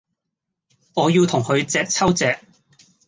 我要同佢隻揪隻